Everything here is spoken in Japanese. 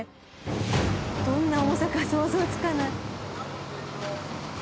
どんな重さか想像つかない。